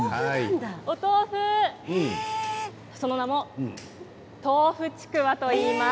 お豆腐、その名もとうふちくわといいます。